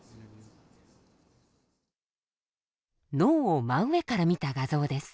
脳を真上から見た画像です。